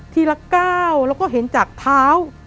ละก้าวแล้วก็เห็นจากเท้า